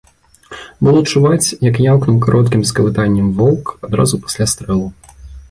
Было чуваць, як яўкнуў кароткім скавытаннем воўк адразу пасля стрэлу.